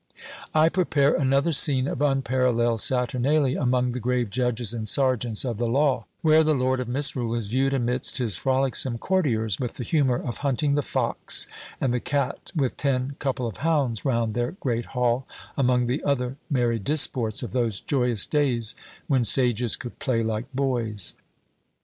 I prepare another scene of unparalleled Saturnalia, among the grave judges and serjeants of the law, where the Lord of Misrule is viewed amidst his frolicsome courtiers, with the humour of hunting the fox and the cat with ten couple of hounds round their great hall, among the other merry disports of those joyous days when sages could play like boys.